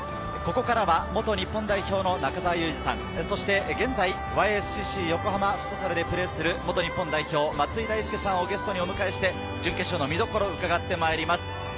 ここからは元日本代表の中澤佑二さん、現在Ｙ．Ｓ．Ｃ．Ｃ．横浜フットサルでプレーする元日本代表・松井大輔さんをゲストにお迎えして準決勝の見どころを伺ってまいります。